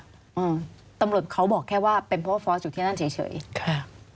อืมตำรวจเขาบอกแค่ว่าเป็นเพราะว่าฟอสอยู่ที่นั่นเฉยเฉยค่ะ